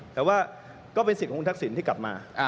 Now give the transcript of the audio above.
แต่ว่าก็เป็นสิทธิ์ของคุณทักษิณที่กลับมา